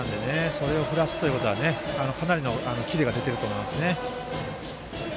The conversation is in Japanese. それを振らせるというのはかなりのキレが出てると思います。